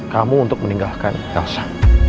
kamu untuk meninggalkan elsa